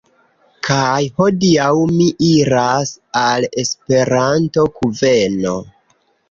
Kaj hodiaŭ mi iras al Esperanto-kuveno.